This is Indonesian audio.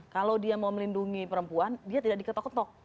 kalau dia mau melindungi perempuan dia tidak diketok ketok